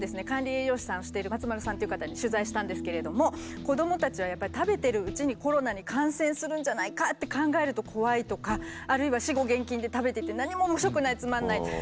管理栄養士さんをしている松丸さんっていう方に取材したんですけれども子どもたちはやっぱり「食べてるうちにコロナに感染するんじゃないかって考えると怖い」とかあるいは「私語厳禁で食べてて何も面白くないつまんない」。